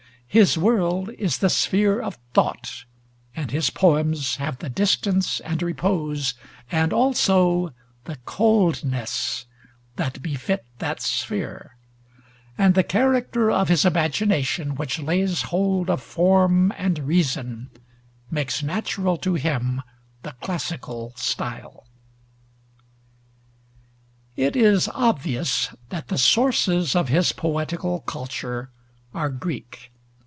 His world is the sphere of thought, and his poems have the distance and repose and also the coldness that befit that sphere; and the character of his imagination, which lays hold of form and reason, makes natural to him the classical style. It is obvious that the sources of his poetical culture are Greek.